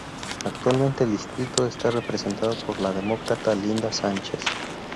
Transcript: Actualmente el distrito está representado por la Demócrata Linda Sanchez.